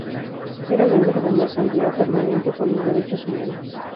Era miembro de la Asamblea Permanente por los Derechos Humanos.